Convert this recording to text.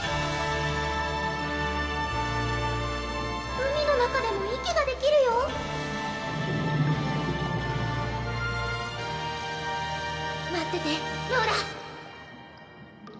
海の中でも息ができるよ待っててローラ！